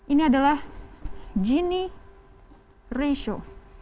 ini adalah gini ratio